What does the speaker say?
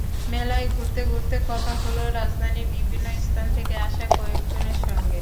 মেলায় ঘুরতে ঘুরতে কথা হলো রাজধানীর বিভিন্ন স্থান থেকে আসা কয়েকজনের সঙ্গে।